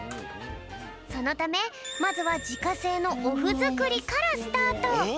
そのためまずはじかせいのおふづくりからスタート！え！？